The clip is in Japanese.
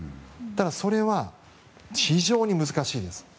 ただ、それは非常に難しいです。